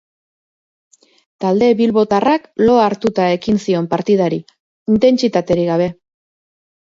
Talde bilbotarrak lo hartuta ekin zion partidari, intentsitaterik gabe.